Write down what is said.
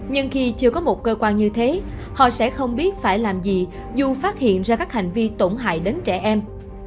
nhưng khi chưa có một cơ quan như thế họ sẽ không biết phải làm gì dù phát hiện ra các hành vi tổn hại đến trẻ em